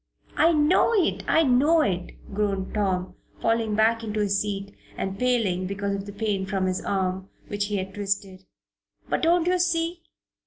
"I know it! I know it!" groaned Tom, falling back in his seat and paling because of the pain from his arm, which he had twisted. "But don't you see?